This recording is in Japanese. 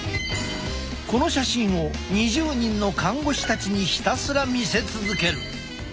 この写真を２０人の看護師たちにひたすら見せ続ける。